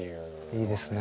いいですね。